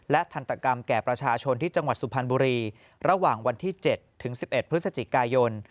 และทันตกรรมแก่ประชาชนที่จังหวัดสุพรรณบุรีระหว่างวันที่๗ถึง๑๑พฤศจิกายน